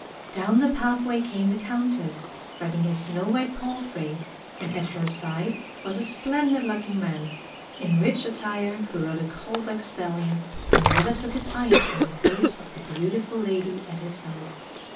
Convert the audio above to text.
Down the pathway came the Countess, riding her snow white palfrey; and at her side was a splendid looking man, in rich attire, who rode a coal black stallion, and never took his eyes from the face of the beautiful lady at his side.